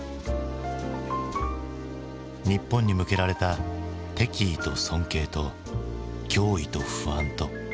日本に向けられた敵意と尊敬と脅威と不安と。